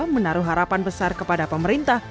menaruh harapan besar kepada pemerintah